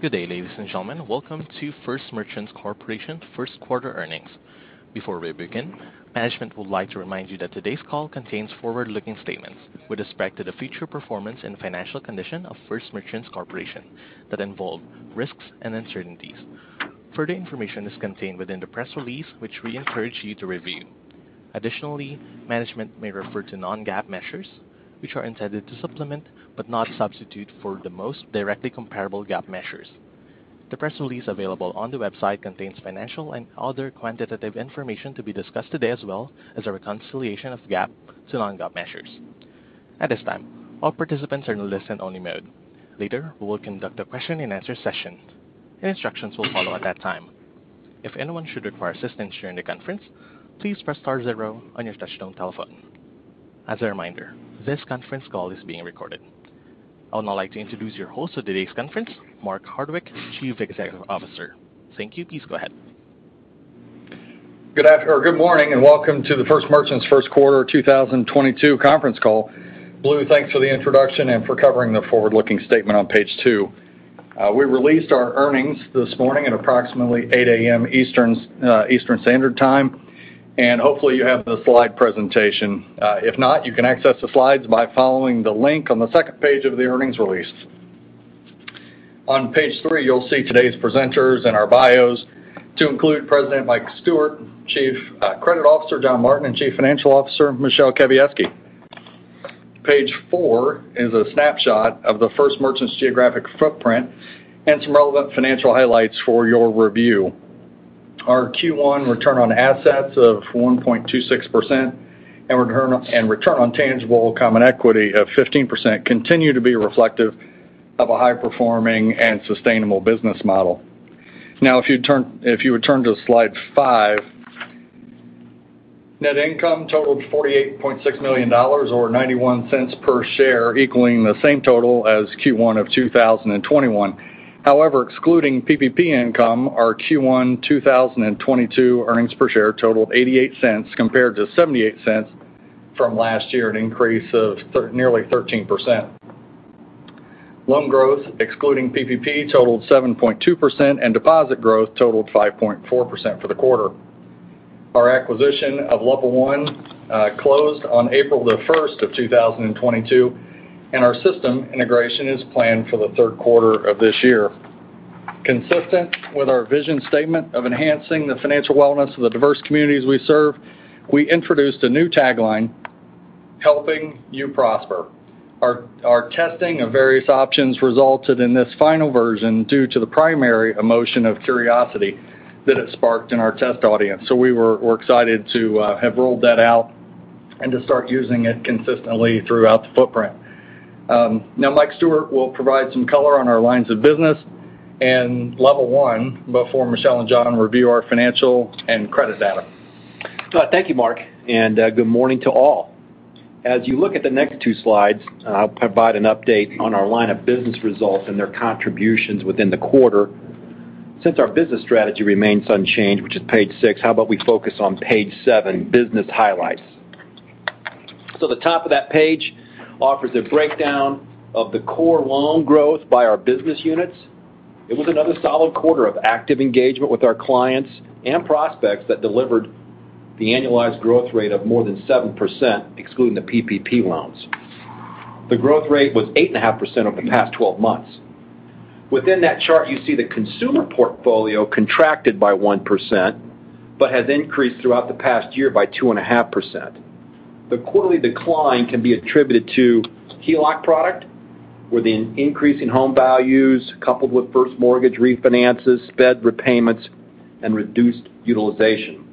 Good day, ladies and gentlemen. Welcome to First Merchants Corporation first quarter earnings. Before we begin, management would like to remind you that today's call contains forward-looking statements with respect to the future performance and financial condition of First Merchants Corporation that involve risks and uncertainties. Further information is contained within the press release which we encourage you to review. Additionally, management may refer to non-GAAP measures which are intended to supplement, but not substitute for, the most directly comparable GAAP measures. The press release available on the website contains financial and other quantitative information to be discussed today, as well as a reconciliation of GAAP to non-GAAP measures. At this time, all participants are in listen only mode. Later, we will conduct a question and answer session. The instructions will follow at that time. If anyone should require assistance during the conference, please press star zero on your touchtone telephone. As a reminder, this conference call is being recorded. I would now like to introduce your host of today's conference, Mark Hardwick, Chief Executive Officer. Thank you. Please go ahead. Good morning, and welcome to the First Merchants first quarter 2022 conference call. Blue, thanks for the introduction and for covering the forward-looking statement on page two. We released our earnings this morning at approximately 8:00 A.M. Eastern Standard Time, and hopefully you have the slide presentation. If not, you can access the slides by following the link on the second page of the earnings release. On page three, you'll see today's presenters and our bios, to include President Mike Stewart, Chief Credit Officer John Martin, and Chief Financial Officer Michele Kawiecki. Page four is a snapshot of the First Merchants geographic footprint and some relevant financial highlights for your review. Our Q1 return on assets of 1.26% and return on tangible common equity of 15% continue to be reflective of a high-performing and sustainable business model. Now, if you would turn to slide five. Net income totaled $48.6 million or $0.91 per share, equaling the same total as Q1 of 2021. However, excluding PPP income, our Q1 2022 earnings per share totaled $0.88 compared to $0.78 from last year, an increase of nearly 13%. Loan growth, excluding PPP, totaled 7.2%, and deposit growth totaled 5.4% for the quarter. Our acquisition of Level One closed on April 1, 2022, and our system integration is planned for the third quarter of this year. Consistent with our vision statement of enhancing the financial wellness of the diverse communities we serve, we introduced a new tagline, Helping You Prosper. Our testing of various options resulted in this final version due to the primary emotion of curiosity that it sparked in our test audience. We're excited to have rolled that out and to start using it consistently throughout the footprint. Now Mike Stewart will provide some color on our lines of business and Level One before Michele and John review our financial and credit data. Thank you, Mark, and good morning to all. As you look at the next two slides, I'll provide an update on our line of business results and their contributions within the quarter. Since our business strategy remains unchanged, which is page six, how about we focus on page seven, Business Highlights. The top of that page offers a breakdown of the core loan growth by our business units. It was another solid quarter of active engagement with our clients and prospects that delivered the annualized growth rate of more than 7%, excluding the PPP loans. The growth rate was 8.5% over the past 12 months. Within that chart, you see the consumer portfolio contracted by 1%, but has increased throughout the past year by 2.5%. The quarterly decline can be attributed to HELOC product, with the increase in home values coupled with first mortgage refinances, debt repayments, and reduced utilization.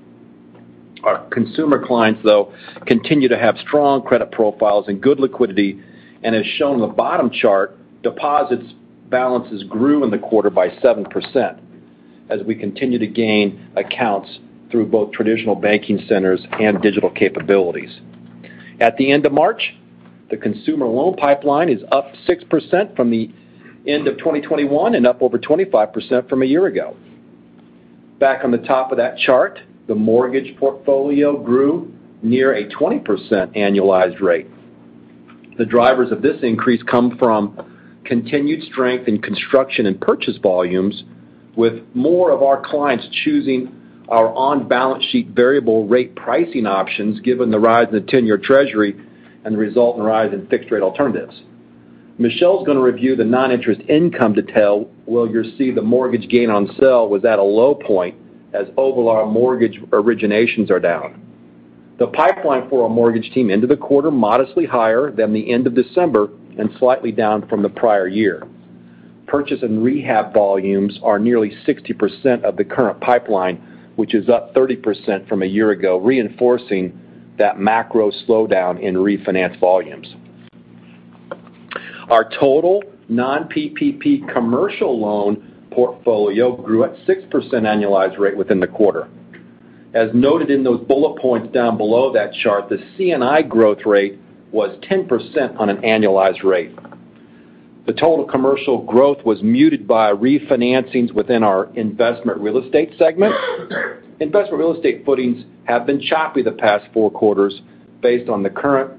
Our consumer clients, though, continue to have strong credit profiles and good liquidity, and as shown in the bottom chart, deposit balances grew in the quarter by 7% as we continue to gain accounts through both traditional banking centers and digital capabilities. At the end of March, the consumer loan pipeline is up 6% from the end of 2021 and up over 25% from a year ago. Back on the top of that chart, the mortgage portfolio grew near a 20% annualized rate. The drivers of this increase come from continued strength in construction and purchase volumes, with more of our clients choosing our on-balance sheet variable rate pricing options given the rise in the 10-year Treasury and the resulting rise in fixed rate alternatives. Michele's gonna review the non-interest income detail, where you'll see the mortgage gain on sale was at a low point as overall mortgage originations are down. The pipeline for our mortgage team into the quarter modestly higher than the end of December and slightly down from the prior year. Purchase and rehab volumes are nearly 60% of the current pipeline, which is up 30% from a year ago, reinforcing that macro slowdown in refinance volumes. Our total non-PPP commercial loan portfolio grew at 6% annualized rate within the quarter. As noted in those bullet points down below that chart, the C&I growth rate was 10% on an annualized rate. The total commercial growth was muted by refinancings within our investment real estate segment. Investment real estate footings have been choppy the past four quarters, based on the current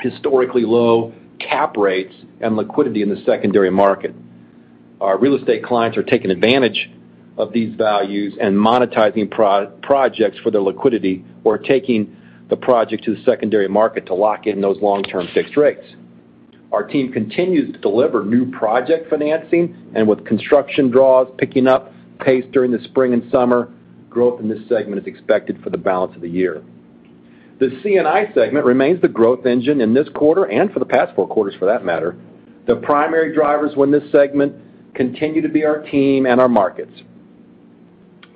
historically low cap rates and liquidity in the secondary market. Our real estate clients are taking advantage of these values and monetizing properties for their liquidity or taking the project to the secondary market to lock in those long-term fixed rates. Our team continues to deliver new project financing, and with construction draws picking up pace during the spring and summer, growth in this segment is expected for the balance of the year. The C&I segment remains the growth engine in this quarter and for the past four quarters for that matter. The primary drivers within this segment continue to be our team and our markets.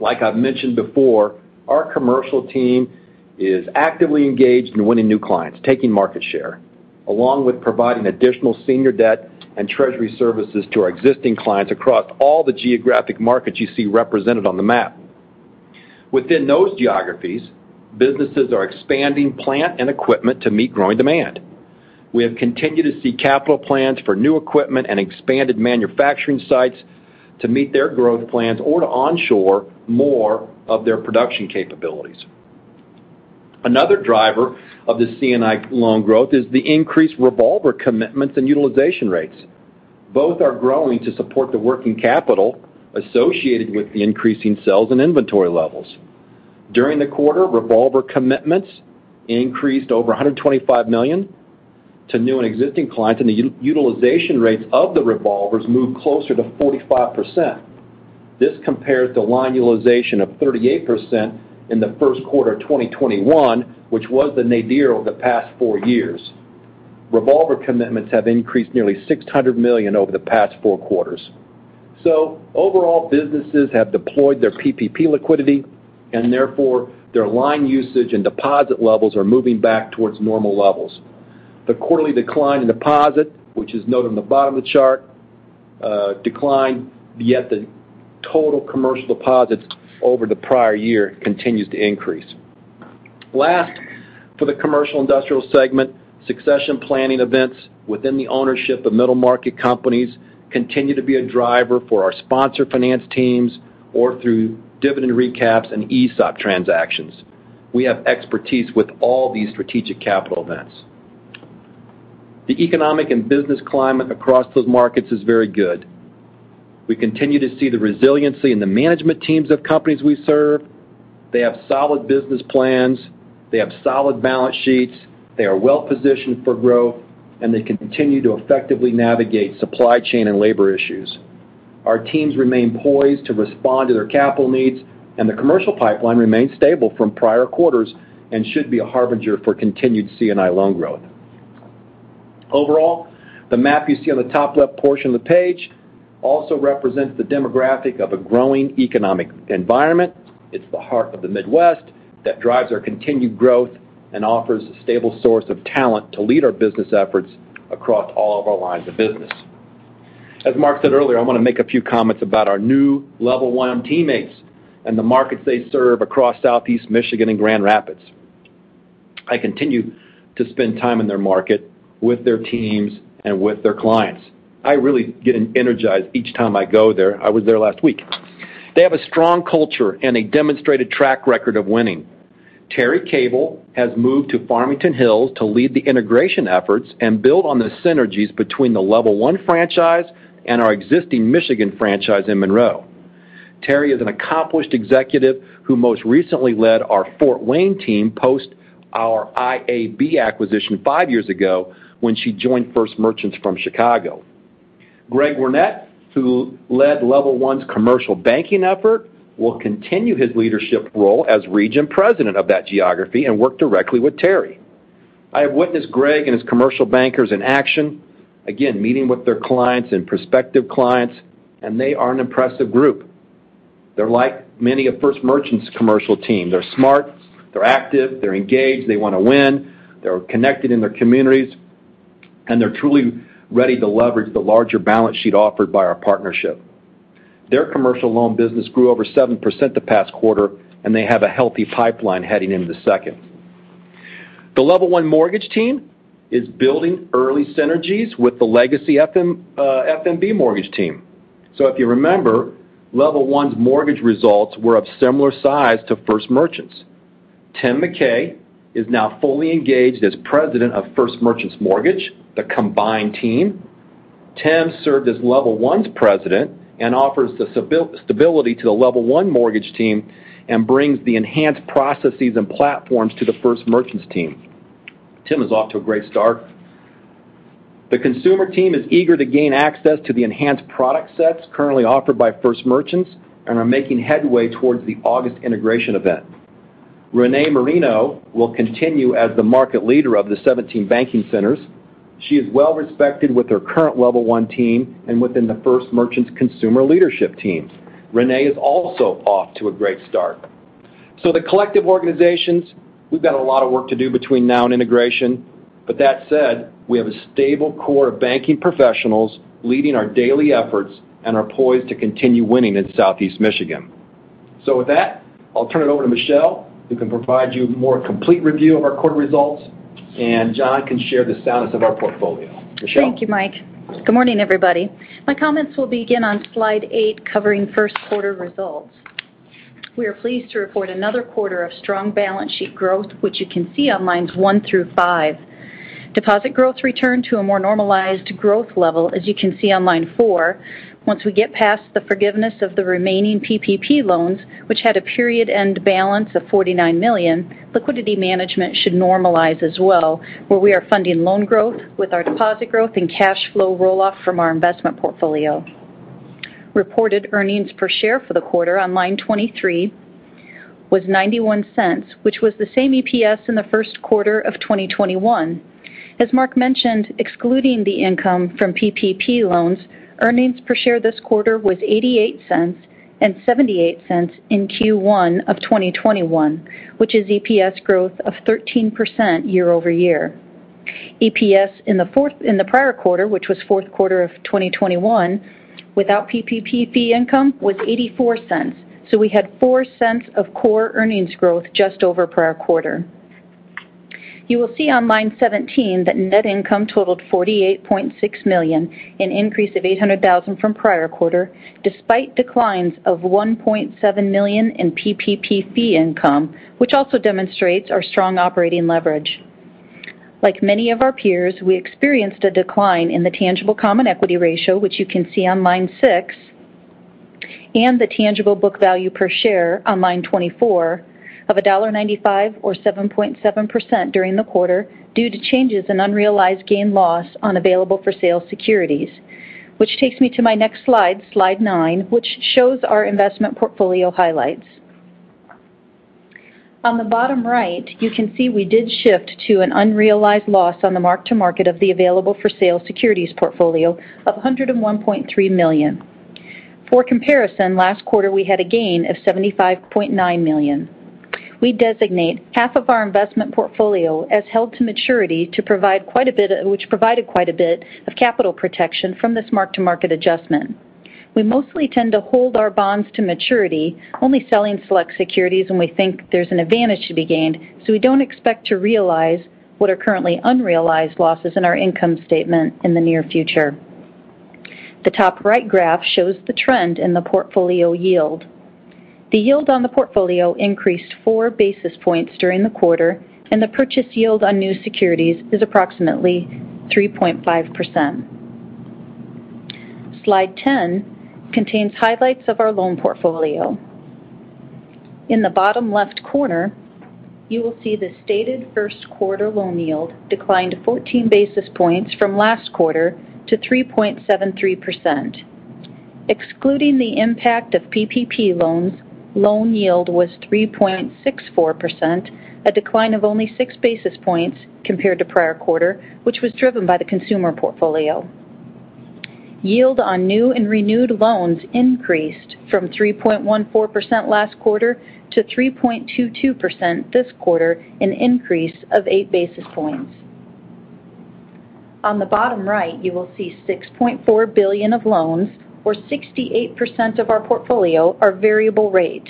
Like I've mentioned before, our commercial team is actively engaged in winning new clients, taking market share, along with providing additional senior debt and treasury services to our existing clients across all the geographic markets you see represented on the map. Within those geographies, businesses are expanding plant and equipment to meet growing demand. We have continued to see capital plans for new equipment and expanded manufacturing sites to meet their growth plans or to onshore more of their production capabilities. Another driver of the C&I loan growth is the increased revolver commitments and utilization rates. Both are growing to support the working capital associated with the increasing sales and inventory levels. During the quarter, revolver commitments increased over $125 million to new and existing clients, and the utilization rates of the revolvers moved closer to 45%. This compares to line utilization of 38% in the first quarter of 2021, which was the nadir of the past four years. Revolver commitments have increased nearly $600 million over the past four quarters. Overall, businesses have deployed their PPP liquidity and therefore their line usage and deposit levels are moving back towards normal levels. The quarterly decline in deposit, which is noted on the bottom of the chart, declined, yet the total commercial deposits over the prior year continues to increase. Last, for the commercial industrial segment, succession planning events within the ownership of middle-market companies continue to be a driver for our sponsor finance teams or through dividend recaps and ESOP transactions. We have expertise with all these strategic capital events. The economic and business climate across those markets is very good. We continue to see the resiliency in the management teams of companies we serve. They have solid business plans. They have solid balance sheets. They are well-positioned for growth, and they continue to effectively navigate supply chain and labor issues. Our teams remain poised to respond to their capital needs, and the commercial pipeline remains stable from prior quarters and should be a harbinger for continued C&I loan growth. Overall, the map you see on the top left portion of the page also represents the demographic of a growing economic environment. It's the heart of the Midwest that drives our continued growth and offers a stable source of talent to lead our business efforts across all of our lines of business. As Mark said earlier, I wanna make a few comments about our new Level One teammates and the markets they serve across Southeast Michigan and Grand Rapids. I continue to spend time in their market with their teams and with their clients. I really get energized each time I go there. I was there last week. They have a strong culture and a demonstrated track record of winning. Terri Cable has moved to Farmington Hills to lead the integration efforts and build on the synergies between the Level One franchise and our existing Michigan franchise in Monroe. Terri is an accomplished executive who most recently led our Fort Wayne team post our IAB acquisition five years ago when she joined First Merchants from Chicago. Greg Wernette, who led Level One's commercial banking effort, will continue his leadership role as Region President of that geography and work directly with Terri. I have witnessed Greg and his commercial bankers in action, again, meeting with their clients and prospective clients, and they are an impressive group. They're like many of First Merchants commercial team. They're smart, they're active, they're engaged, they wanna win, they're connected in their communities, and they're truly ready to leverage the larger balance sheet offered by our partnership. Their commercial loan business grew over 7% the past quarter, and they have a healthy pipeline heading into the second. The Level One mortgage team is building early synergies with the legacy FMB mortgage team. If you remember, Level One's mortgage results were of similar size to First Merchants. Tim Mackay is now fully engaged as president of First Merchants Mortgage, the combined team. Tim served as Level One's president and offers the stability to the Level One mortgage team and brings the enhanced processes and platforms to the First Merchants team. Tim MacKay is off to a great start. The consumer team is eager to gain access to the enhanced product sets currently offered by First Merchants and are making headway towards the August integration event. Renee Marino will continue as the market leader of the 17 banking centers. She is well respected with her current Level One team and within the First Merchants consumer leadership teams. Renee is also off to a great start. The collective organizations, we've got a lot of work to do between now and integration. That said, we have a stable core of banking professionals leading our daily efforts and are poised to continue winning in Southeast Michigan. With that, I'll turn it over to Michele, who can provide you more complete review of our quarter results, and John can share the soundness of our portfolio. Michele? Thank you, Mike. Good morning, everybody. My comments will begin on slide eight covering first quarter results. We are pleased to report another quarter of strong balance sheet growth, which you can see on lines one through five. Deposit growth returned to a more normalized growth level, as you can see on line four. Once we get past the forgiveness of the remaining PPP loans, which had a period end balance of $49 million, liquidity management should normalize as well, where we are funding loan growth with our deposit growth and cash flow roll off from our investment portfolio. Reported earnings per share for the quarter on line 23 was $0.91, which was the same EPS in the first quarter of 2021. As Mark mentioned, excluding the income from PPP loans, earnings per share this quarter was $0.88 and $0.78 in Q1 of 2021, which is EPS growth of 13% year-over-year. EPS in the prior quarter, which was fourth quarter of 2021, without PPP fee income, was $0.84, so we had $0.04 of core earnings growth just over prior quarter. You will see on line 17 that net income totaled $48.6 million, an increase of $800,000 from prior quarter, despite declines of $1.7 million in PPP fee income, which also demonstrates our strong operating leverage. Like many of our peers, we experienced a decline in the tangible common equity ratio, which you can see on line six, and the tangible book value per share on line 24 of $1.95 or 7.7% during the quarter due to changes in unrealized gain loss on available for sale securities. Which takes me to my next slide nine, which shows our investment portfolio highlights. On the bottom right, you can see we did shift to an unrealized loss on the mark-to-market of the available for sale securities portfolio of $101.3 million. For comparison, last quarter, we had a gain of $75.9 million. We designate half of our investment portfolio as held to maturity which provided quite a bit of capital protection from this mark-to-market adjustment. We mostly tend to hold our bonds to maturity, only selling select securities when we think there's an advantage to be gained, so we don't expect to realize what are currently unrealized losses in our income statement in the near future. The top right graph shows the trend in the portfolio yield. The yield on the portfolio increased 4 basis points during the quarter, and the purchase yield on new securities is approximately 3.5%. Slide 10 contains highlights of our loan portfolio. In the bottom left corner, you will see the stated first quarter loan yield declined 14 basis points from last quarter to 3.73%. Excluding the impact of PPP loans, loan yield was 3.64%, a decline of only 6 basis points compared to prior quarter, which was driven by the consumer portfolio. Yield on new and renewed loans increased from 3.14% last quarter to 3.22% this quarter, an increase of 8 basis points. On the bottom right, you will see $6.4 billion of loans or 68% of our portfolio are variable rate.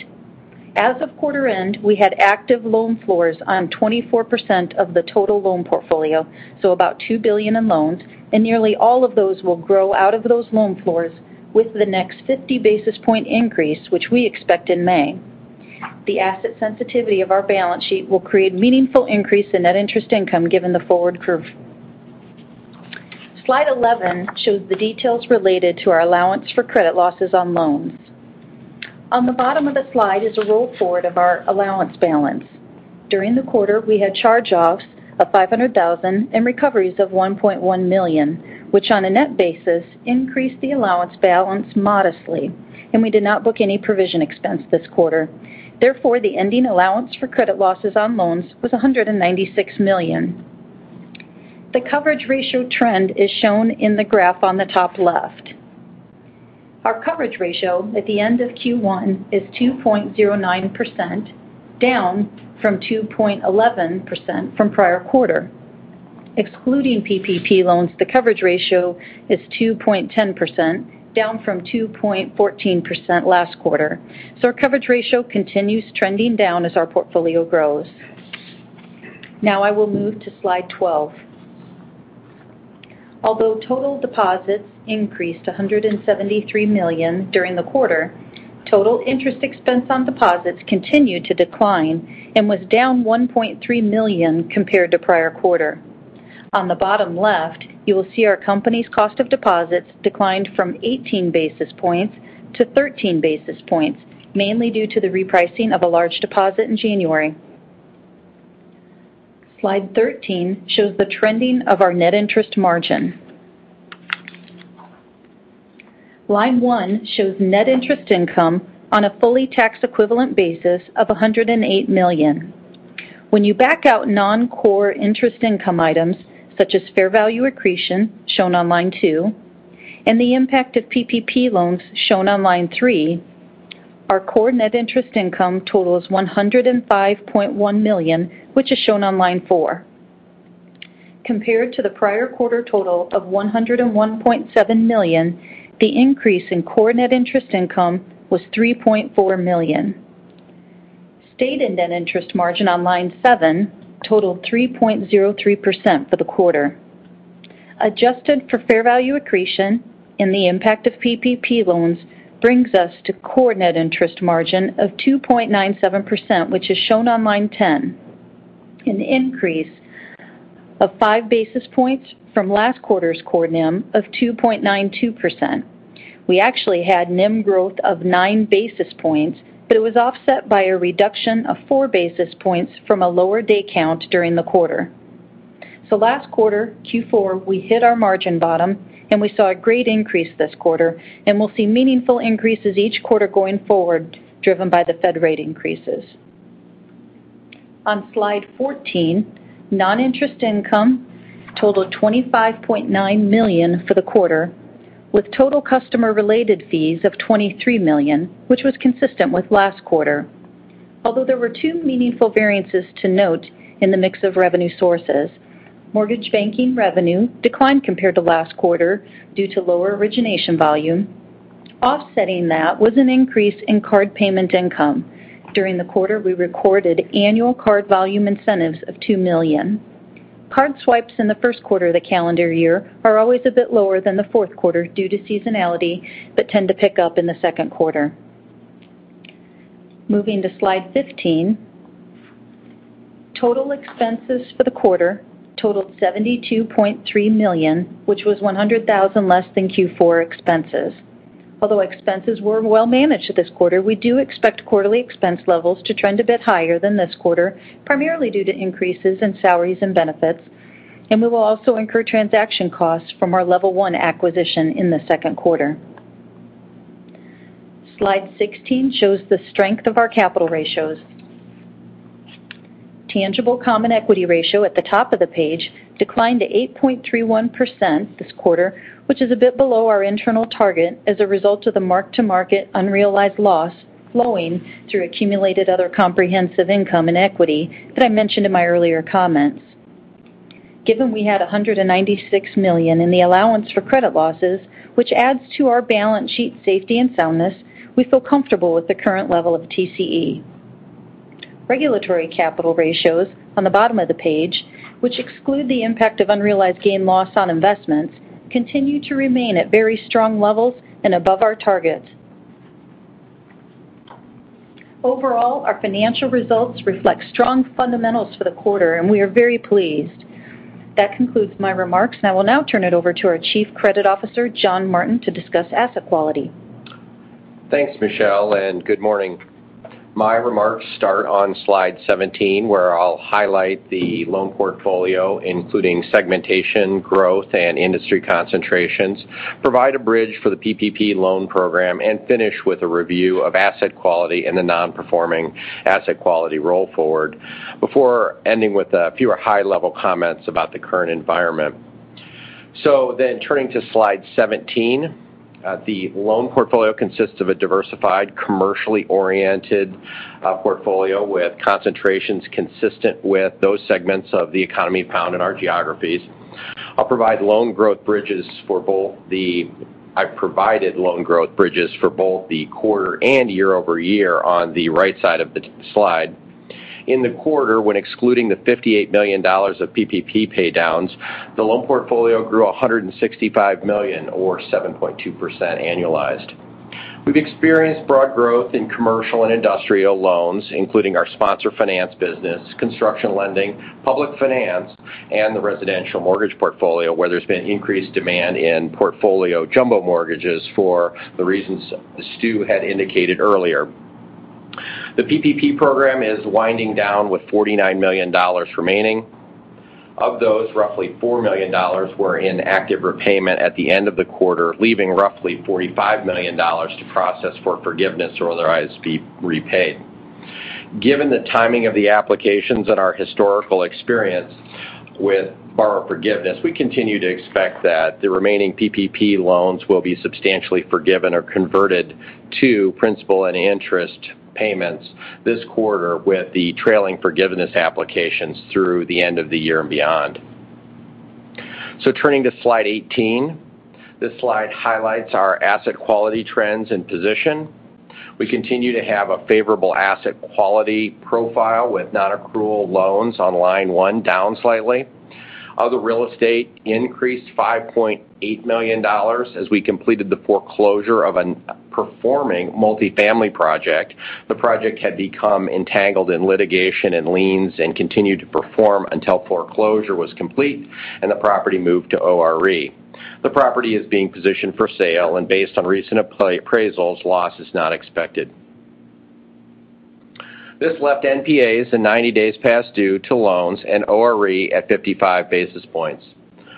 As of quarter end, we had active loan floors on 24% of the total loan portfolio, so about $2 billion in loans, and nearly all of those will grow out of those loan floors with the next 50 basis point increase, which we expect in May. The asset sensitivity of our balance sheet will create meaningful increase in net interest income given the forward curve. Slide 11 shows the details related to our allowance for credit losses on loans. On the bottom of the slide is a roll forward of our allowance balance. During the quarter, we had charge-offs of $500,000 and recoveries of $1.1 million, which on a net basis increased the allowance balance modestly, and we did not book any provision expense this quarter. Therefore, the ending allowance for credit losses on loans was $196 million. The coverage ratio trend is shown in the graph on the top left. Our coverage ratio at the end of Q1 is 2.09%, down from 2.11% from prior quarter. Excluding PPP loans, the coverage ratio is 2.10%, down from 2.14% last quarter. Our coverage ratio continues trending down as our portfolio grows. Now I will move to slide 12. Although total deposits increased $173 million during the quarter, total interest expense on deposits continued to decline and was down $1.3 million compared to prior quarter. On the bottom left, you will see our company's cost of deposits declined from 18 basis points to 13 basis points, mainly due to the repricing of a large deposit in January. Slide 13 shows the trending of our net interest margin. Line one shows net interest income on a fully tax equivalent basis of $108 million. When you back out non-core interest income items such as fair value accretion, shown on line two, and the impact of PPP loans, shown on line three, our core net interest income totals $105.1 million, which is shown on line four. Compared to the prior quarter total of $101.7 million, the increase in core net interest income was $3.4 million. Stated net interest margin on line seven totaled 3.03% for the quarter. Adjusted for fair value accretion and the impact of PPP loans brings us to core net interest margin of 2.97%, which is shown on line 10, an increase of 5 basis points from last quarter's core NIM of 2.92%. We actually had NIM growth of 9 basis points, but it was offset by a reduction of 4 basis points from a lower day count during the quarter. Last quarter, Q4, we hit our margin bottom, and we saw a great increase this quarter, and we'll see meaningful increases each quarter going forward, driven by the Fed rate increases. On slide 14, non-interest income totaled $25.9 million for the quarter, with total customer-related fees of $23 million, which was consistent with last quarter. Although there were two meaningful variances to note in the mix of revenue sources, mortgage banking revenue declined compared to last quarter due to lower origination volume. Offsetting that was an increase in card payment income. During the quarter, we recorded annual card volume incentives of $2 million. Card swipes in the first quarter of the calendar year are always a bit lower than the fourth quarter due to seasonality, but tend to pick up in the second quarter. Moving to slide 15. Total expenses for the quarter totaled $72.3 million, which was $100,000 less than Q4 expenses. Although expenses were well managed this quarter, we do expect quarterly expense levels to trend a bit higher than this quarter, primarily due to increases in salaries and benefits, and we will also incur transaction costs from our Level One acquisition in the second quarter. Slide 16 shows the strength of our capital ratios. Tangible common equity ratio at the top of the page declined to 8.31% this quarter, which is a bit below our internal target as a result of the mark-to-market unrealized loss flowing through accumulated other comprehensive income and equity that I mentioned in my earlier comments. Given we had $196 million in the allowance for credit losses, which adds to our balance sheet safety and soundness, we feel comfortable with the current level of TCE. Regulatory capital ratios on the bottom of the page, which exclude the impact of unrealized gain loss on investments, continue to remain at very strong levels and above our targets. Overall, our financial results reflect strong fundamentals for the quarter, and we are very pleased. That concludes my remarks, and I will now turn it over to our Chief Credit Officer, John Martin, to discuss asset quality. Thanks, Michele, and good morning. My remarks start on slide 17, where I'll highlight the loan portfolio, including segmentation, growth, and industry concentrations, provide a bridge for the PPP loan program, and finish with a review of asset quality and the non-performing asset quality roll forward before ending with a few high-level comments about the current environment. Turning to slide 17, the loan portfolio consists of a diversified, commercially-oriented portfolio with concentrations consistent with those segments of the economy found in our geographies. I'll provide loan growth bridges for both the quarter and year-over-year on the right side of the slide. In the quarter, when excluding the $58 million of PPP paydowns, the loan portfolio grew $165 million or 7.2% annualized. We've experienced broad growth in commercial and industrial loans, including our sponsor finance business, construction lending, public finance, and the residential mortgage portfolio, where there's been increased demand in portfolio jumbo mortgages for the reasons Stu had indicated earlier. The PPP program is winding down with $49 million remaining. Of those, roughly $4 million were in active repayment at the end of the quarter, leaving roughly $45 million to process for forgiveness or otherwise be repaid. Given the timing of the applications and our historical experience with borrower forgiveness, we continue to expect that the remaining PPP loans will be substantially forgiven or converted to principal and interest payments this quarter with the trailing forgiveness applications through the end of the year and beyond. Turning to slide 18. This slide highlights our asset quality trends and position. We continue to have a favorable asset quality profile with non-accrual loans on line one down slightly. Other real estate increased $5.8 million as we completed the foreclosure of a performing multifamily project. The project had become entangled in litigation and liens and continued to perform until foreclosure was complete and the property moved to ORE. The property is being positioned for sale, and based on recent appraisals, loss is not expected. This left NPAs including 90 days past due loans and ORE at 55 basis points.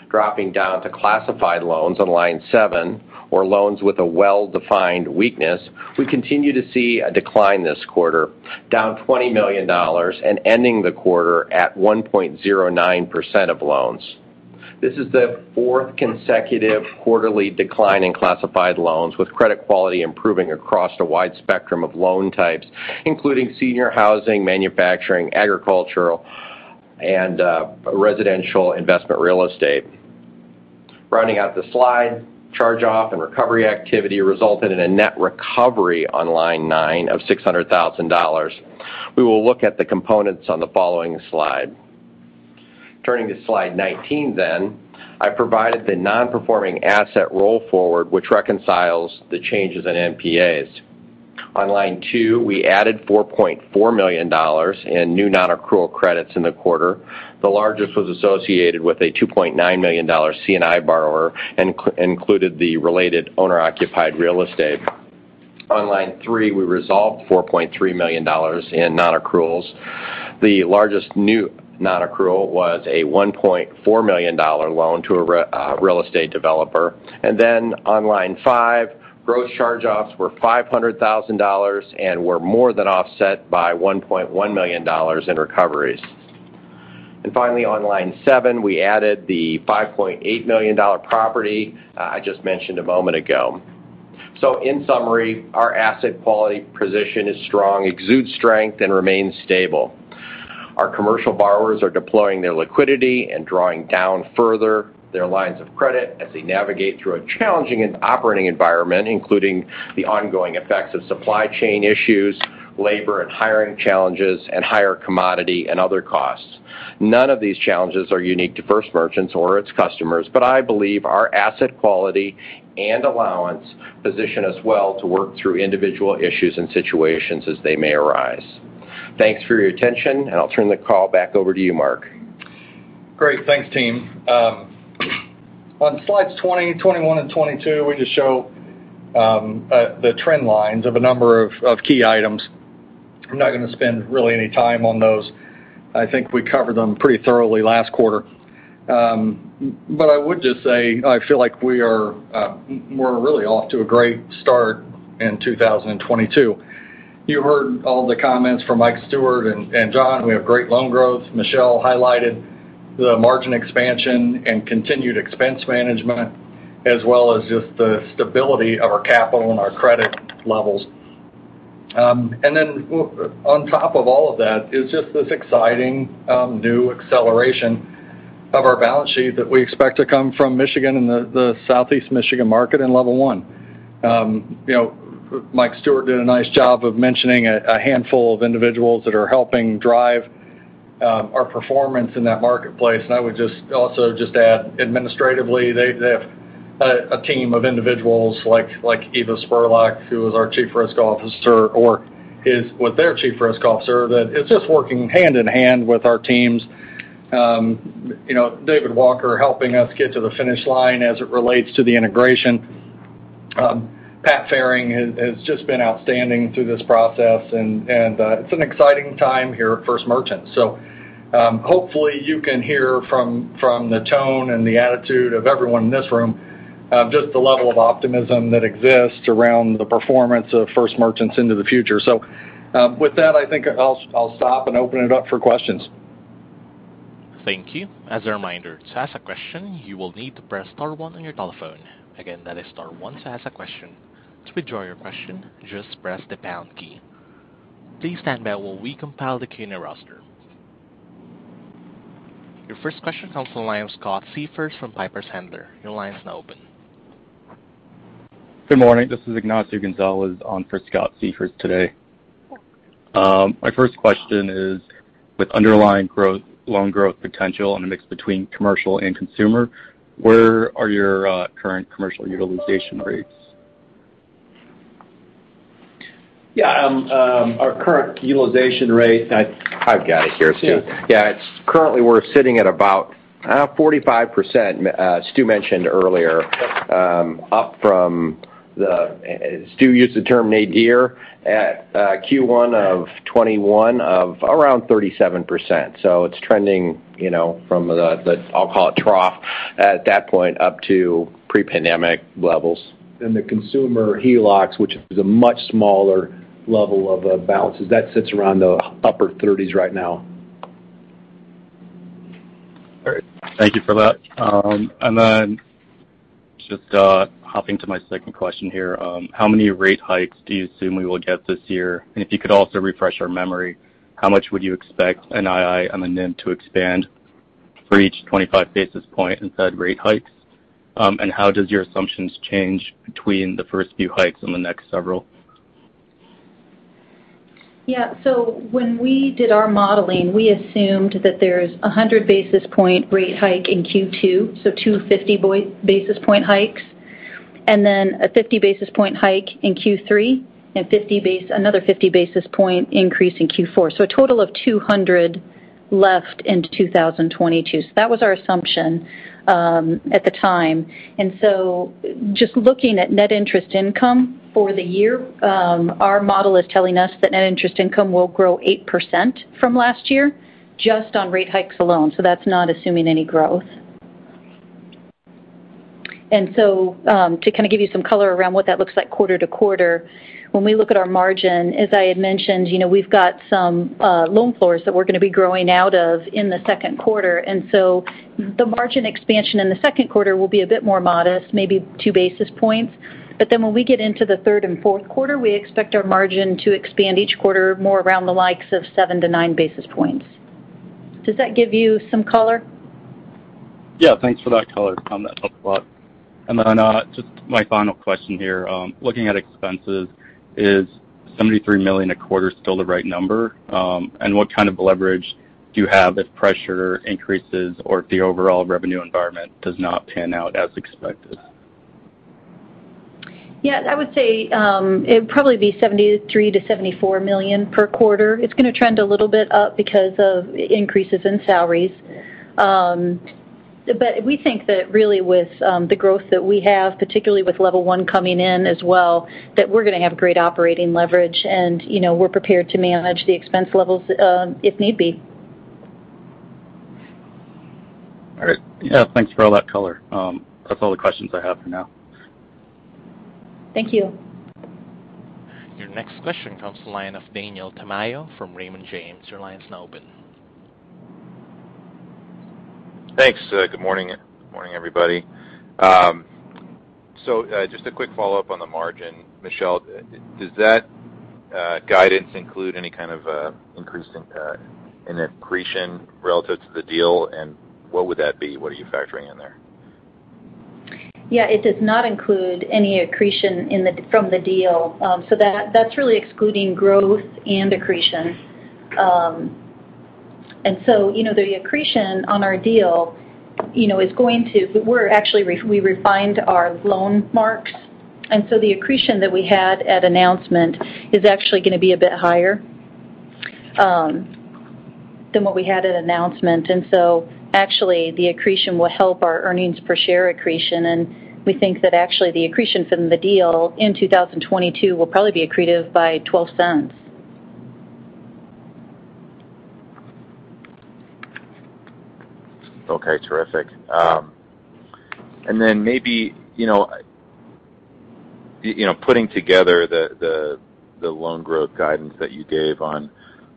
Dropping down to classified loans on line seven or loans with a well-defined weakness, we continue to see a decline this quarter, down $20 million and ending the quarter at 1.09% of loans. This is the fourth consecutive quarterly decline in classified loans, with credit quality improving across a wide spectrum of loan types, including senior housing, manufacturing, agricultural, and residential investment real estate. Rounding out the slide, charge-off and recovery activity resulted in a net recovery on line nine of $600,000. We will look at the components on the following slide. Turning to slide 19, I provided the non-performing asset roll forward which reconciles the changes in NPAs. On line two, we added $4.4 million in new non-accrual credits in the quarter. The largest was associated with a $2.9 million C&I borrower and included the related owner-occupied real estate. On line three, we resolved $4.3 million in non-accruals. The largest new non-accrual was a $1.4 million loan to a real estate developer. Then on line five, growth charge-offs were $500,000 and were more than offset by $1.1 million in recoveries. Finally, on line seven, we added the $5.8 million property I just mentioned a moment ago. In summary, our asset quality position is strong, exudes strength, and remains stable. Our commercial borrowers are deploying their liquidity and drawing down further their lines of credit as they navigate through a challenging and operating environment, including the ongoing effects of supply chain issues, labor and hiring challenges, and higher commodity and other costs. None of these challenges are unique to First Merchants or its customers, but I believe our asset quality and allowance position us well to work through individual issues and situations as they may arise. Thanks for your attention, and I'll turn the call back over to you, Mark. Great. Thanks, team. On slides 20, 21, and 22, we just show the trend lines of a number of key items. I'm not gonna spend really any time on those. I think we covered them pretty thoroughly last quarter. But I would just say I feel like we are, we're really off to a great start in 2022. You heard all the comments from Mike Stewart and John. We have great loan growth. Michele highlighted the margin expansion and continued expense management as well as just the stability of our capital and our credit levels. On top of all of that is just this exciting new acceleration of our balance sheet that we expect to come from Michigan and the Southeast Michigan market in Level One. You know, Mike Stewart did a nice job of mentioning a handful of individuals that are helping drive our performance in that marketplace. I would just also add administratively, they have a team of individuals like Eva Scurlock, who is our Chief Risk Officer with their Chief Risk Officer, that is just working hand in hand with our teams. You know, David Walker helping us get to the finish line as it relates to the integration. Pat Fehring has just been outstanding through this process and it's an exciting time here at First Merchants. Hopefully, you can hear from the tone and the attitude of everyone in this room just the level of optimism that exists around the performance of First Merchants into the future. With that, I think I'll stop and open it up for questions. Thank you. As a reminder, to ask a question, you will need to press star one on your telephone. Again, that is star one to ask a question. To withdraw your question, just press the pound key. Please stand by while we compile the keynote roster. Your first question comes from the line of Scott Seifert from Piper Sandler. Your line is now open. Good morning. This is Ignacio Gonzalez on for Scott Seifert today. My first question is with underlying growth, loan growth potential and a mix between commercial and consumer, where are your current commercial utilization rates? Yeah, our current utilization rate. I've got it here, Stu. Yeah, it's currently we're sitting at about 45%, Stu mentioned earlier, up from the Stu used the term nadir at Q1 of 2021 of around 37%. It's trending, you know, from the I'll call it trough at that point up to pre-pandemic levels. The consumer HELOCs, which is a much smaller level of balances, that sits around the upper 30s right now. All right. Thank you for that. Just hopping to my second question here. How many rate hikes do you assume we will get this year? If you could also refresh our memory, how much would you expect NII and the NIM to expand for each 25 basis point in size rate hikes? How does your assumptions change between the first few hikes and the next several? Yeah. When we did our modeling, we assumed that there's a 100 basis point rate hike in Q2, so two 50 basis point hikes, and then a 50 basis point hike in Q3 and another 50 basis point increase in Q4. A total of 200 left into 2022. That was our assumption at the time. Just looking at net interest income for the year, our model is telling us that net interest income will grow 8% from last year just on rate hikes alone. That's not assuming any growth. To kinda give you some color around what that looks like quarter to quarter, when we look at our margin, as I had mentioned, you know, we've got some loan floors that we're gonna be growing out of in the second quarter. The margin expansion in the second quarter will be a bit more modest, maybe 2 basis points. When we get into the third and fourth quarter, we expect our margin to expand each quarter more around the likes of 7-9 basis points. Does that give you some color? Yeah, thanks for that color on that. Helps a lot. Just my final question here. Looking at expenses, is $73 million a quarter still the right number? What kind of leverage do you have if pressure increases or if the overall revenue environment does not pan out as expected? Yeah, I would say it would probably be $73 million-$74 million per quarter. It's gonna trend a little bit up because of increases in salaries. We think that really with the growth that we have, particularly with Level One coming in as well, that we're gonna have great operating leverage and, you know, we're prepared to manage the expense levels if need be. All right. Yeah, thanks for all that color. That's all the questions I have for now. Thank you. Your next question comes from the line of Daniel Tamayo from Raymond James. Your line's now open. Thanks. Good morning. Good morning, everybody. Just a quick follow-up on the margin. Michele, does that guidance include any kind of increase in accretion relative to the deal? What would that be? What are you factoring in there? Yeah, it does not include any accretion from the deal. So that's really excluding growth and accretion. You know, the accretion on our deal, you know, is going to. We actually refined our loan marks, and so the accretion that we had at announcement is actually gonna be a bit higher than what we had at announcement. Actually, the accretion will help our earnings per share accretion, and we think that actually the accretion from the deal in 2022 will probably be accretive by $0.12. Okay, terrific. And then maybe, you know, putting together the loan growth guidance that you gave on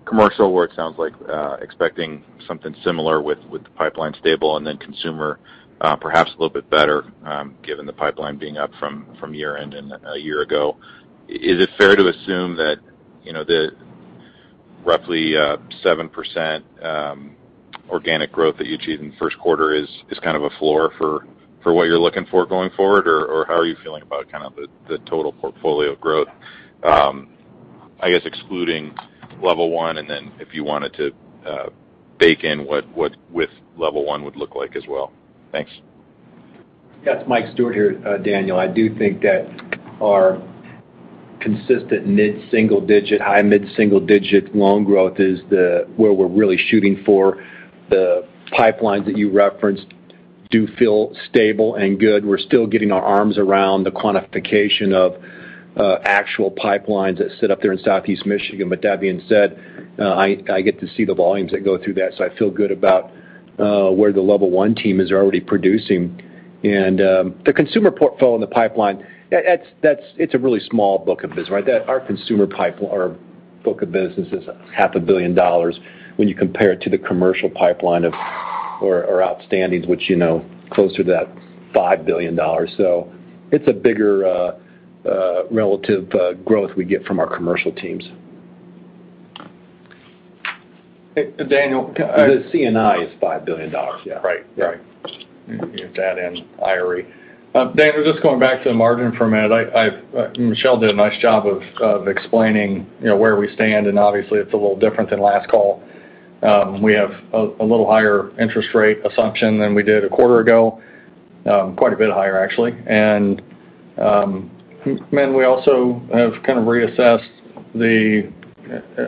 commercial, where it sounds like expecting something similar with the pipeline stable and then consumer perhaps a little bit better, given the pipeline being up from year-end and a year ago. Is it fair to assume that, you know, the roughly 7% organic growth that you achieved in the first quarter is kind of a floor for what you're looking for going forward? Or how are you feeling about kind of the total portfolio growth? I guess excluding Level One, and then if you wanted to bake in what with Level One would look like as well? Thanks. Yes. Mike Stewart here, Daniel. I do think that our consistent mid-single digit, high mid-single digit loan growth is where we're really shooting for. The pipelines that you referenced do feel stable and good. We're still getting our arms around the quantification of actual pipelines that sit up there in Southeast Michigan. But that being said, I get to see the volumes that go through that, so I feel good about where the Level One team is already producing. The consumer portfolio in the pipeline, that's it's a really small book of business, right? Our book of business is half a billion dollars when you compare it to the commercial pipeline or outstandings, which you know, closer to that $5 billion. It's a bigger relative growth we get from our commercial teams. Daniel- The C&I is $5 billion. Yeah. Right. Right. You have that and IRE. Daniel, just going back to the margin for a minute. Michele did a nice job of explaining, you know, where we stand, and obviously, it's a little different than last call. We have a little higher interest rate assumption than we did a quarter ago. Quite a bit higher, actually. We also have kind of reassessed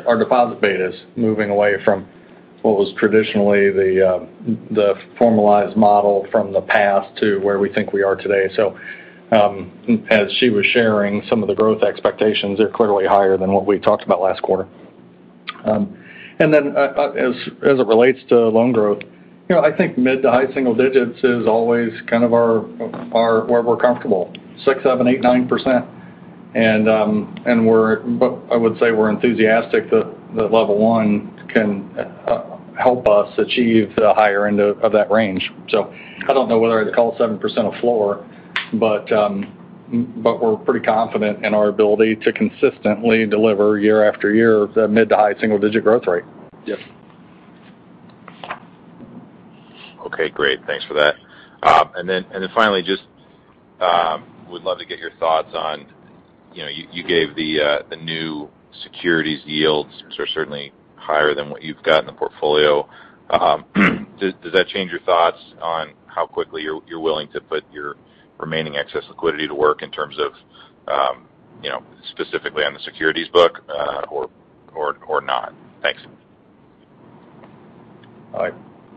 our deposit betas moving away from what was traditionally the formalized model from the past to where we think we are today. As she was sharing some of the growth expectations, they're clearly higher than what we talked about last quarter. As it relates to loan growth, you know, I think mid to high single digits is always kind of our where we're comfortable, 6%-9%. But I would say we're enthusiastic that Level One can help us achieve the higher end of that range. I don't know whether I'd call 7% a floor, but we're pretty confident in our ability to consistently deliver year after year of the mid to high single digit growth rate. Yes. Okay, great. Thanks for that. Finally, just would love to get your thoughts on, you know, you gave the new securities yields, which are certainly higher than what you've got in the portfolio. Does that change your thoughts on how quickly you're willing to put your remaining excess liquidity to work in terms of, you know, specifically on the securities book, or not? Thanks.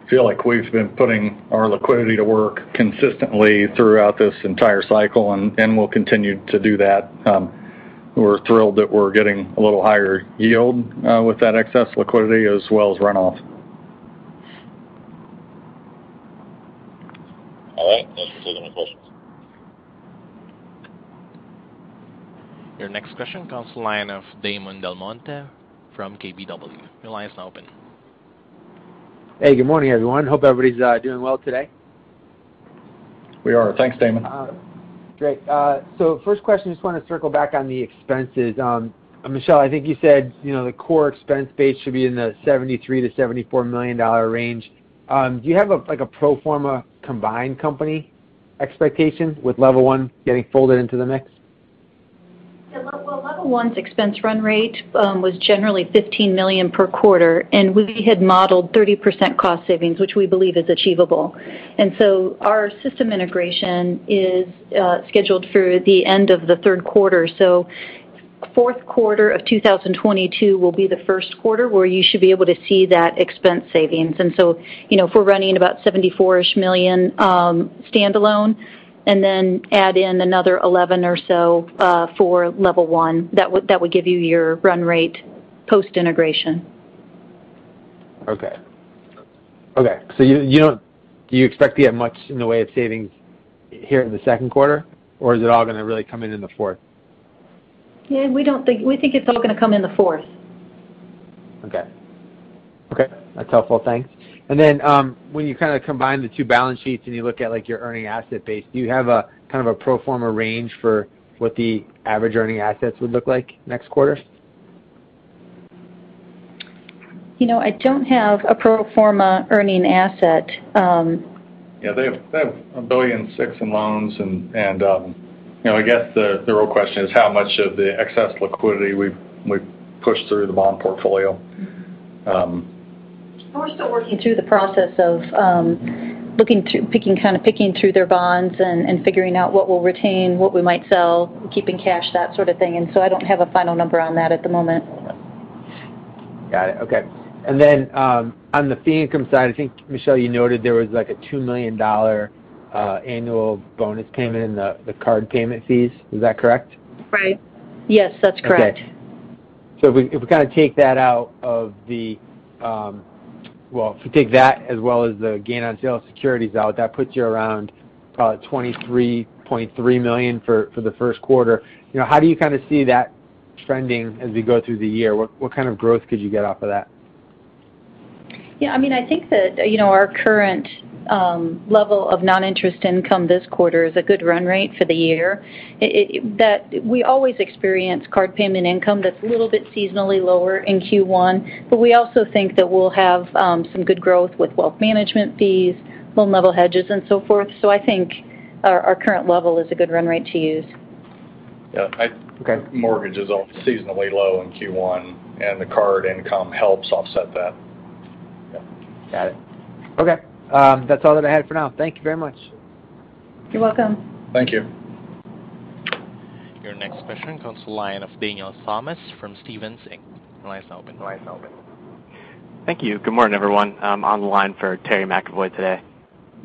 I feel like we've been putting our liquidity to work consistently throughout this entire cycle, and we'll continue to do that. We're thrilled that we're getting a little higher yield with that excess liquidity as well as runoff. All right. Thanks. I see no more questions. Your next question comes to the line of Damon DelMonte from KBW. Your line is now open. Hey, good morning, everyone. Hope everybody's doing well today. We are. Thanks, Damon. First question, I just want to circle back on the expenses. Michele, I think you said, you know, the core expense base should be in the $73 million-$74 million range. Do you have a, like, a pro forma combined company expectation with Level One getting folded into the mix? Yeah. Well, Level One's expense run rate was generally $15 million per quarter, and we had modeled 30% cost savings, which we believe is achievable. Our system integration is scheduled for the end of the third quarter. Fourth quarter of 2022 will be the first quarter where you should be able to see that expense savings. You know, if we're running about $74-ish million standalone and then add in another $11 or so for Level One, that would give you your run rate post-integration. Okay. Do you expect to get much in the way of savings here in the second quarter, or is it all gonna really come in the fourth? Yeah, we think it's all gonna come in the fourth. Okay. That's helpful. Thanks. When you kind of combine the two balance sheets and you look at, like, your earning asset base, do you have a kind of a pro forma range for what the average earning assets would look like next quarter? You know, I don't have a pro forma earning asset. Yeah, they have $1.6 billion in loans, and you know, I guess the real question is how much of the excess liquidity we've pushed through the bond portfolio. We're still working through the process of looking through, picking, kind of picking through their bonds and figuring out what we'll retain, what we might sell, keeping cash, that sort of thing. I don't have a final number on that at the moment. Got it. Okay. On the fee income side, I think, Michele, you noted there was, like, a $2 million annual bonus payment in the card payment fees. Is that correct? Right. Yes, that's correct. Okay. If we kind of take that out of the, Well, if you take that as well as the gain on sale of securities out, that puts you around probably $23.3 million for the first quarter. You know, how do you kind of see that trending as we go through the year? What kind of growth could you get off of that? Yeah, I mean, I think that, you know, our current level of non-interest income this quarter is a good run rate for the year. That we always experience card payment income that's a little bit seasonally lower in Q1, but we also think that we'll have some good growth with wealth management fees, loan level hedges, and so forth. I think our current level is a good run rate to use. Yeah Okay. Mortgage is all seasonally low in Q1, and the card income helps offset that. Yeah. Got it. Okay. That's all that I had for now. Thank you very much. You're welcome. Thank you. Your next question comes from the line of Daniel Thomas from Stephens Inc. Your line's open. Thank you. Good morning, everyone. I'm on the line for Terry McEvoy today.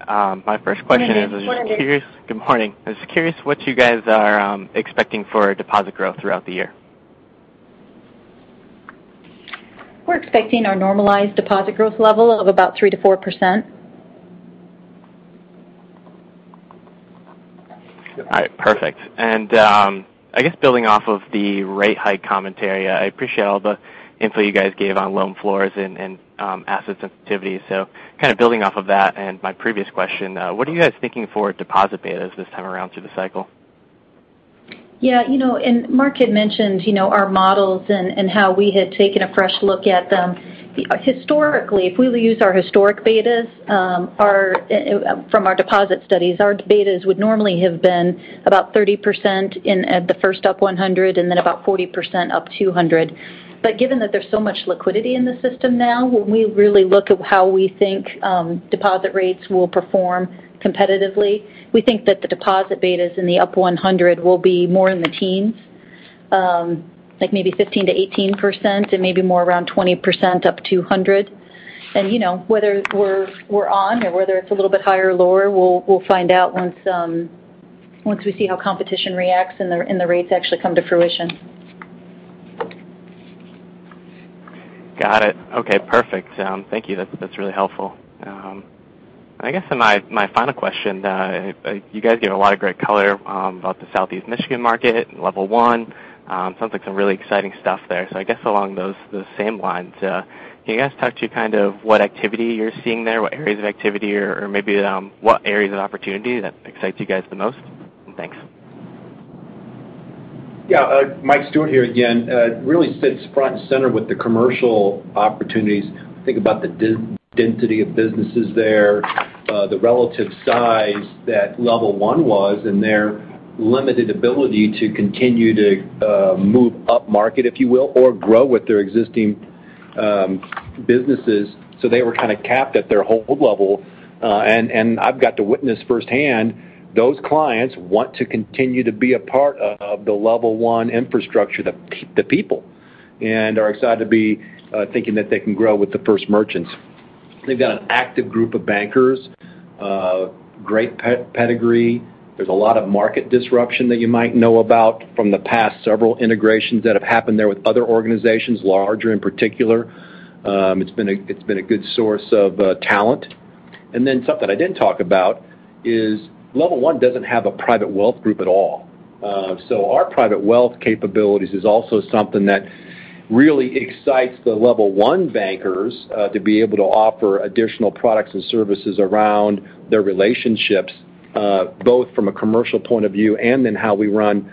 My first question is. Good morning. Good morning. I was curious what you guys are expecting for deposit growth throughout the year. We're expecting our normalized deposit growth level of about 3%-4%. All right. Perfect. I guess building off of the rate hike commentary, I appreciate all the info you guys gave on loan floors and assets sensitivity. Kind of building off of that and my previous question, what are you guys thinking for deposit betas this time around through the cycle? Yeah, you know, Mark had mentioned, you know, our models and how we had taken a fresh look at them. Historically, if we will use our historic betas, from our deposit studies, our betas would normally have been about 30% in at the first up 100 and then about 40% up 200. Given that there's so much liquidity in the system now, when we really look at how we think deposit rates will perform competitively, we think that the deposit betas in the up 100 will be more in the teens, like maybe 15%-18% and maybe more around 20% up 200. You know, whether we're on or whether it's a little bit higher or lower, we'll find out once we see how competition reacts and the rates actually come to fruition. Got it. Okay. Perfect. Thank you. That's really helpful. I guess then my final question, you guys gave a lot of great color about the Southeast Michigan market and Level One. Sounds like some really exciting stuff there. I guess along those same lines, can you guys talk to kind of what activity you're seeing there, what areas of activity or maybe what areas of opportunity that excites you guys the most? Thanks. Yeah, Mike Stewart here again. Really sits front and center with the commercial opportunities. Think about the density of businesses there, the relative size that Level One was and their limited ability to continue to move upmarket, if you will, or grow with their existing businesses. They were kind of capped at their own level. I've got to witness firsthand, those clients want to continue to be a part of the Level One infrastructure, the people, and are excited to be thinking that they can grow with First Merchants. They've got an active group of bankers, great pedigree. There's a lot of market disruption that you might know about from the past several integrations that have happened there with other organizations, larger in particular. It's been a good source of talent. Something I didn't talk about is Level One doesn't have a private wealth group at all. Our private wealth capabilities is also something that Really excites the Level One bankers to be able to offer additional products and services around their relationships both from a commercial point of view and in how we run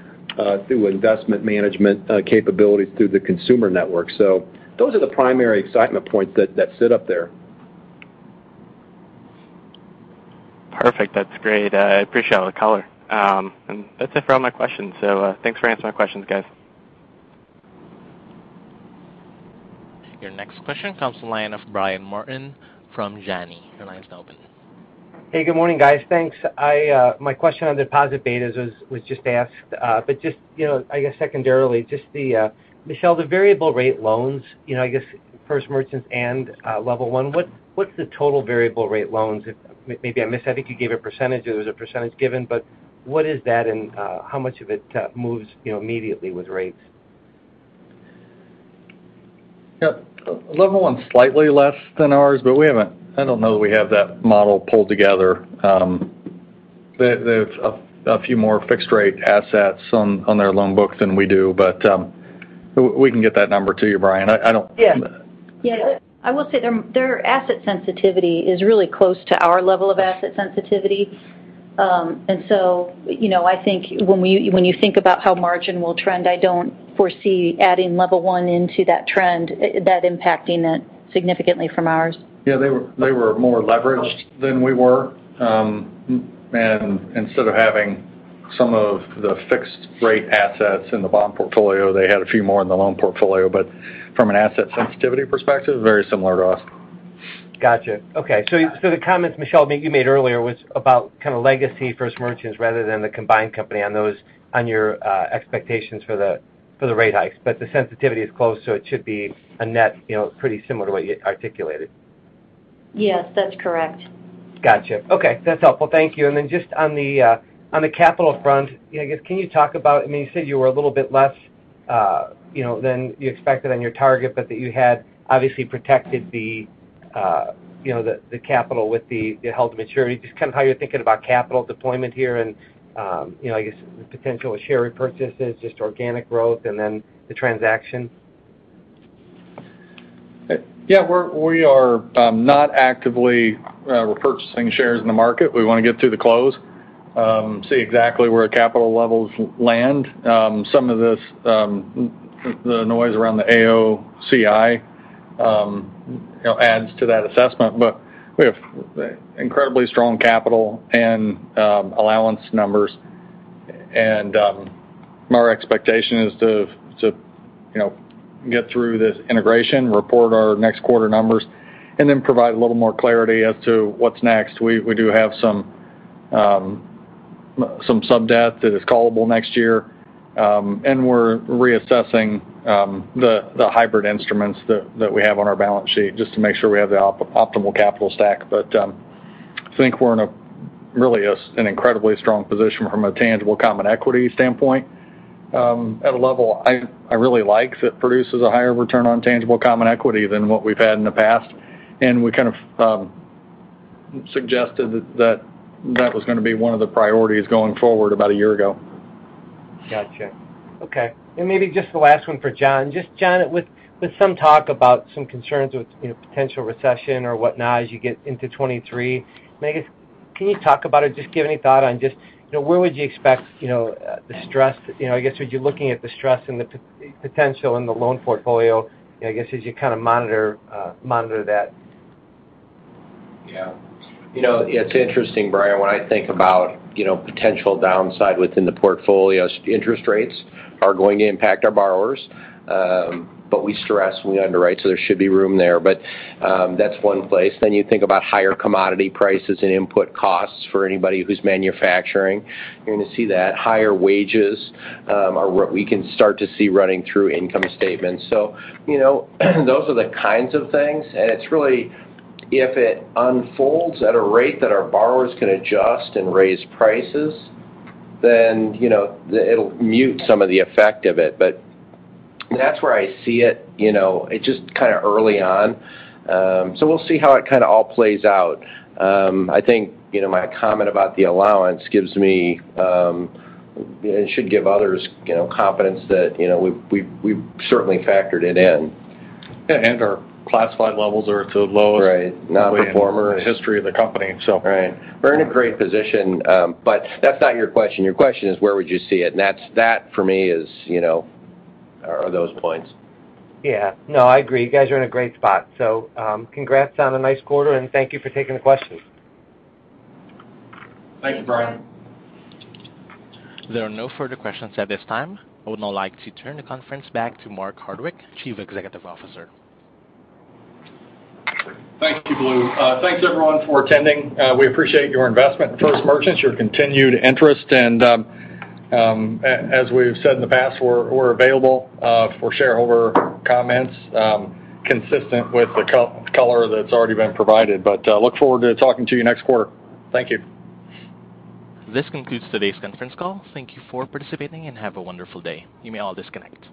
through investment management capabilities through the consumer network. Those are the primary excitement points that sit up there. Perfect. That's great. I appreciate all the color. That's it for all my questions. Thanks for answering my questions, guys. Your next question comes from the line of Brian Martin from Janney. Your line's now open. Hey, good morning, guys. Thanks. My question on deposit betas was just asked, but just, you know, I guess secondarily, just Michele, the variable rate loans, you know, I guess First Merchants and Level One, what's the total variable rate loans? If maybe I missed, I think you gave a percentage, or there was a percentage given, but what is that and how much of it moves, you know, immediately with rates? Yeah. Level One's slightly less than ours, but I don't know that we have that model pulled together. They. There's a few more fixed rate assets on their loan book than we do. We can get that number to you, Brian. I don't. I will say their asset sensitivity is really close to our level of asset sensitivity. You know, I think when you think about how margin will trend, I don't foresee adding Level One into that trend, that impacting it significantly from ours. Yeah. They were more leveraged than we were. Instead of having some of the fixed rate assets in the bond portfolio, they had a few more in the loan portfolio. From an asset sensitivity perspective, very similar to us. Gotcha. Okay. The comments, Michele, you made earlier was about kind of legacy First Merchants rather than the combined company on those, on your expectations for the rate hikes, but the sensitivity is close, so it should be a net, you know, pretty similar to what you articulated. Yes, that's correct. Gotcha. Okay. That's helpful. Thank you. Then just on the capital front, you know, I guess, can you talk about I mean, you said you were a little bit less, you know, than you expected on your target, but that you had obviously protected the, you know, the capital with the held maturity, just kind of how you're thinking about capital deployment here and, you know, I guess the potential of share repurchases, just organic growth, and then the transaction? Yeah. We are not actively repurchasing shares in the market. We wanna get through the close, see exactly where our capital levels land. Some of this, the noise around the AOCI, you know, adds to that assessment. We have incredibly strong capital and allowance numbers. Our expectation is to you know, get through this integration, report our next quarter numbers, and then provide a little more clarity as to what's next. We do have some sub-debt that is callable next year. We're reassessing, the hybrid instruments that we have on our balance sheet just to make sure we have the optimal capital stack. I think we're in a really incredibly strong position from a tangible common equity standpoint at a level I really like that produces a higher return on tangible common equity than what we've had in the past. We kind of suggested that that was gonna be one of the priorities going forward about a year ago. Gotcha. Okay. Maybe just the last one for John. Just, John, with some talk about some concerns with, you know, potential recession or whatnot as you get into 2023, I guess, can you talk about or just give any thought on just, you know, where would you expect, you know, the stress, you know, I guess, would you looking at the stress and the potential in the loan portfolio, I guess, as you kind of monitor that? Yeah. You know, it's interesting, Brian, when I think about, you know, potential downside within the portfolio. Interest rates are going to impact our borrowers, but we stress when we underwrite, so there should be room there. That's one place. You think about higher commodity prices and input costs for anybody who's manufacturing. You're gonna see that. Higher wages are what we can start to see running through income statements. You know, those are the kinds of things, and it's really if it unfolds at a rate that our borrowers can adjust and raise prices, then, you know, it'll mute some of the effect of it. That's where I see it. You know, it's just kinda early on. We'll see how it kind of all plays out. I think, you know, my comment about the allowance gives me, and should give others, you know, confidence that, you know, we've certainly factored it in. Yeah. Our classified levels are at the lowest non-performing in the history of the company. Right. So. Right. We're in a great position, but that's not your question. Your question is where would you see it? That's that, for me is, you know, are those points. Yeah. No, I agree. You guys are in a great spot. Congrats on a nice quarter, and thank you for taking the questions. Thank you, Brian. There are no further questions at this time. I would now like to turn the conference back to Mark Hardwick, Chief Executive Officer. Thank you, Blue. Thanks, everyone, for attending. We appreciate your investment at First Merchants, your continued interest, and, as we've said in the past, we're available for shareholder comments, consistent with the color that's already been provided. I look forward to talking to you next quarter. Thank you. This concludes today's conference call. Thank you for participating, and have a wonderful day. You may all disconnect.